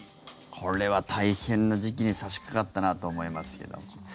これは大変な時期に差しかかったなと思いますけど。